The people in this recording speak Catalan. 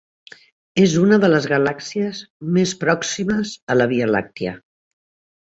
És una de les galàxies més pròximes a la Via Làctia.